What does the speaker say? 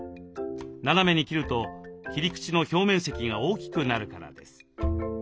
斜めに切ると切り口の表面積が大きくなるからです。